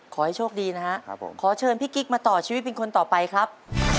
ขอให้โชคดีนะครับผมขอเชิญพี่กิ๊กมาต่อชีวิตเป็นคนต่อไปครับ